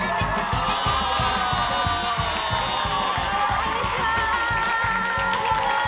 こんにちは！